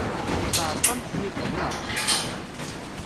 Teɛreq-am Ḥnifa, naɣ?